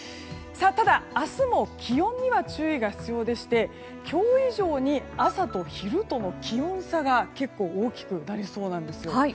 ただ、明日も気温には注意が必要でして今日以上に朝と昼との気温差が結構大きくなりそうなんです。